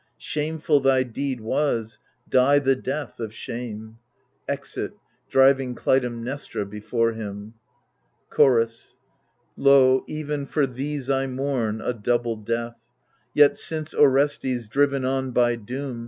Shameful thy deed was — die the death of shame I [Exit, driving Clytemnestra before him. Chorus Lo, even for these I mourn, a double death : Yet since Orestes, driven on by doom.